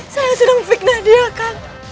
saya yang sudah memfiknah dia kikumu